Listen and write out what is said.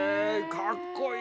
かっこいい。